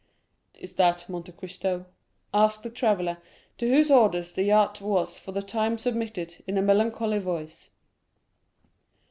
"Is that Monte Cristo?" asked the traveller, to whose orders the yacht was for the time submitted, in a melancholy voice.